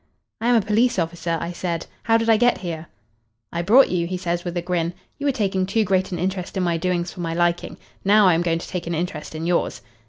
"'I am a police officer,' I said. 'How did I get here?' "'I brought you,' he says with a grin. 'You were taking too great an interest in my doings for my liking. Now I am going to take an interest in yours.'